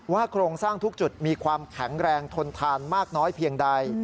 โครงสร้างทุกจุดมีความแข็งแรงทนทานมากน้อยเพียงใด